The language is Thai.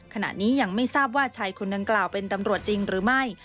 ขณะนี้ยังไม่ทราบว่าชายคนดังกล่าวเป็นตำรวจจริงหรือไม่